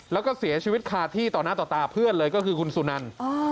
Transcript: แล้วก็เสียชีวิตคาที่ต่อหน้าต่อตาเพื่อนเลยก็คือคุณสุนัน